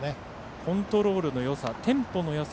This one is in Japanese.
コントロールのよさテンポのよさ